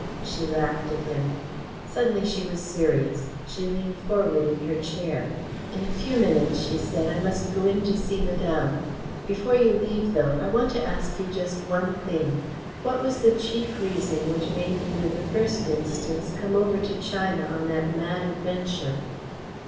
She laughed at him. Suddenly she was serious. She leaned forward in her chair. "In a few minutes," she said, "I must go in to see Madame. Before you leave, though, I want to ask you just one thing. What was the chief reason which made you in the first instance come over to China on that mad adventure?"